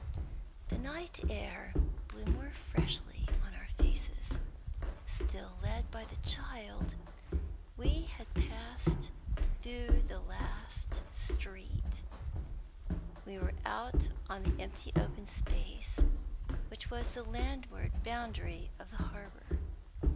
The night air blew more freshly on our faces. Still led by the child, we had passed through the last street we were out on the empty open space which was the landward boundary of the harbor.